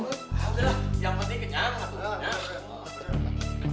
ya udah lah yang penting kenyang